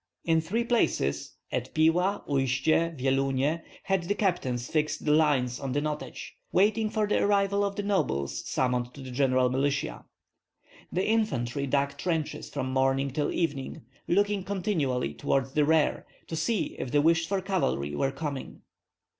In three places at Pila, Uistsie, Vyelunie had the captains fixed the lines on the Notets, waiting for the arrival of the nobles summoned to the general militia. The infantry dug trenches from morning till evening, looking continually toward the rear to see if the wished for cavalry were coming.